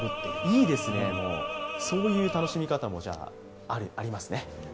いいですね、そういう楽しみ方もありますね。